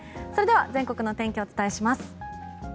それでは全国のお天気をお伝えします。